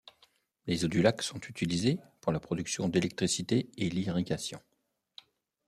Les eaux du lac sont utilisées pour la production d'électricité et l'irrigation.